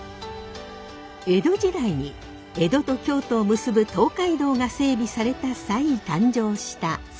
江戸時代に江戸と京都を結ぶ東海道が整備された際誕生した関宿。